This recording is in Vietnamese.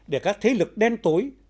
để các thế lực đen tối